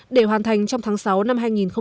để hoàn thành trong tháng sáu năm hai nghìn hai mươi